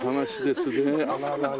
あららら。